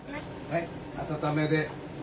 はい温めで。